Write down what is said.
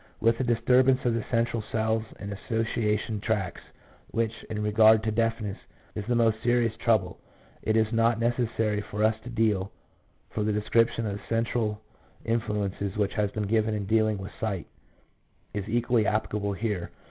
With the disturbance of the central cells and association tracts, which, in regard to deaf ness, is the most serious trouble, it is not necessary for us to deal, for the description of central influences which has been given in dealing with sight is equally applicable here.